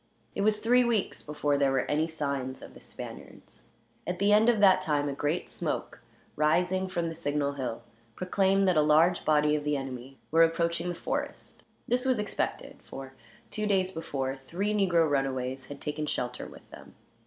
It was three weeks before there were any signs of the Spaniards. At the end of that time a great smoke, rising from the signal hill, proclaimed that a large body of the enemy were approaching the forest. This was expected; for, two days before, three negro runaways had taken shelter with them.